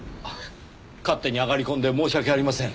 勝手に上がり込んで申し訳ありません。